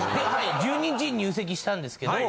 １２日に入籍したんですけど。